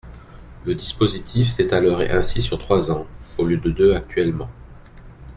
Le dispositif s’étalerait ainsi sur trois ans, au lieu de deux actuellement.